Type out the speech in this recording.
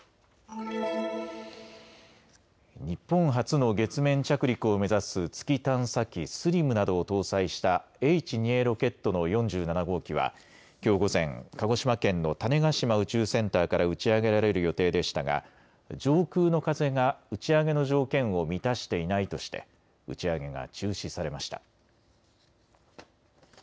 日本初の月面着陸を目指す月探査機、ＳＬＩＭなどを搭載したＨ２Ａロケットの４７号機はきょう午前、鹿児島県の種子島宇宙センターから打ち上げられる予定でしたが上空の風が打ち上げの条件を満たしていないとして打ち上げが中止されました。